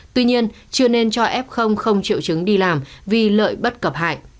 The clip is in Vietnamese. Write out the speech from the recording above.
tuy nhiên chưa nên cho f không triệu chứng đi làm vì lợi bất cập hại